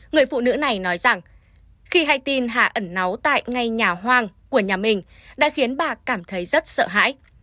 người phụ nữ này nói rằng khi hay tin hà ẩn náu tại ngay nhà hoang của nhà mình đã khiến bà cảm thấy rất sợ hãi